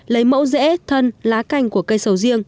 lấy mẫu rẽ thân lá cành của cây sầu riêng